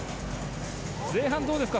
前半、どうですか？